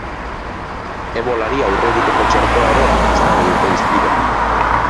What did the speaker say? Ebolari aurre egiteko txertoa ere izango dute hizpide.